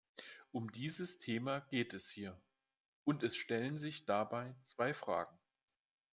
Um dieses Thema geht es hier, und es stellen sich dabei zwei Fragen.